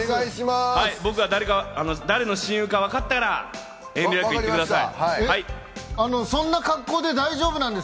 僕が誰の親友かわかったら、遠慮なく言ってください。